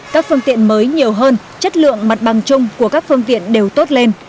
các phương tiện mới nhiều hơn chất lượng mặt bằng chung của các phương tiện đều tốt lên